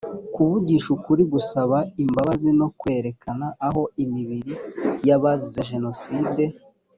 kuvugisha ukuri gusaba imbabazi no kwerekana aho imibiri y abazize jenoside